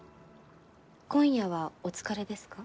今夜はお疲れですか？